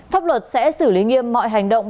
pháp luật sẽ xử lý nghiêm mọi hành động